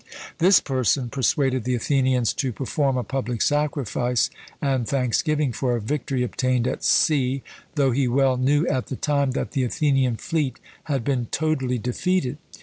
This person persuaded the Athenians to perform a public sacrifice and thanksgiving for a victory obtained at sea, though he well knew at the time that the Athenian fleet had been totally defeated.